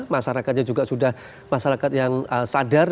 masyarakatnya juga sudah masyarakat yang sadar